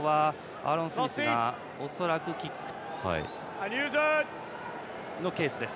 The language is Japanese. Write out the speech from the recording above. アーロン・スミスが恐らくキックするケース。